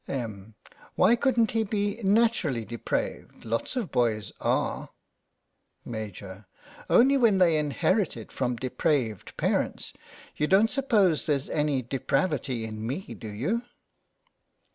Em, : Why couldn't he be naturally de praved. Lots of boys are. Maj. : Only when they inherit it from depraved parents. You don't suppose there's any depravity in me, do you